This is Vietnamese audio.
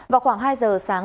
vào khoảng hai giờ sáng